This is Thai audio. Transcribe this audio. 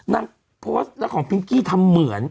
นางโพสต์แล้วของพิงกี้ทำเหมือน